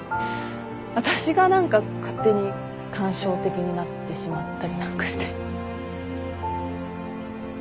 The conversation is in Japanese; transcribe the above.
私が何か勝手に感傷的になってしまったりなんかして。